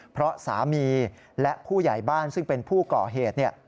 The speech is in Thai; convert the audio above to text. เพราะสามีและผู้ใหญ่บ้านซึ่งเป็นผู้ก่อเหตุ